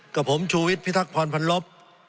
กับผมชูวิทย์พิทักษรพันลบ